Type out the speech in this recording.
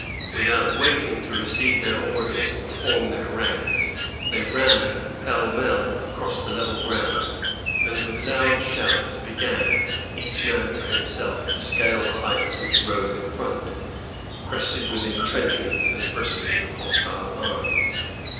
Without waiting to receive their orders or form their ranks, they ran, pell mell, across the level ground, and with loud shouts began, each man for himself, to scale the heights which rose in front, crested with intrenchments and bristling with hostile arms.